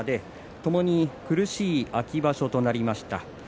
ともに苦しい秋場所となりました。